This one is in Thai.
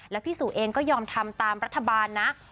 แล้วพี่สู่เองก็ยอมทำตามรัฐบาลนะ